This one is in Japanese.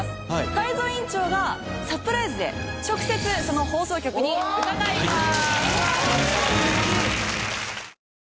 泰造委員長がサプライズで直接その放送局に伺います。